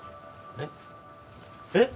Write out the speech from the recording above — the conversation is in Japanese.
えっ？えっ？